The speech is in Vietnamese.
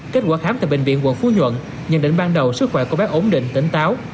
kết quả khám tại bệnh viện quận phú nhuận nhận định ban đầu sức khỏe của bác ổn định tỉnh táo